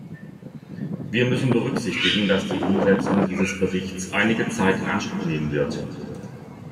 Wir müssen berücksichtigen, dass die Umsetzung dieses Berichts einige Zeit in Anspruch nehmen wird.